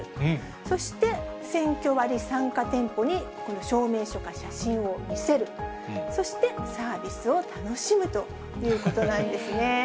そして、センキョ割参加店舗に証明書か写真を見せる、そしてサービスを楽しむということなんですね。